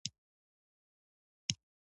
احمد په غره کې له ډېرې تندې ژبه ټکوله.